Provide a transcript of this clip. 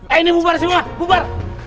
eh ini bubar semua bubar